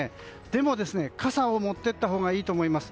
でも、傘を持っていったほうがいいと思います。